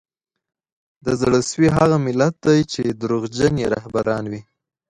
د زړه سوي هغه ملت دی چي دروغجن یې رهبران وي